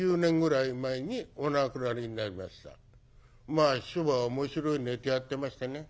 まあ師匠は面白いネタやってましたね。